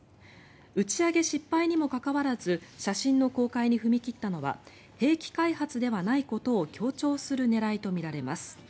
打ち上げ失敗にもかかわらず写真の公開に踏み切ったのは兵器開発ではないことを強調する狙いとみられます。